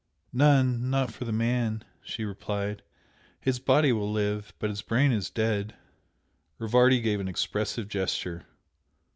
"None not for the man" she replied "His body will live, but his brain is dead." Rivardi gave an expressive gesture.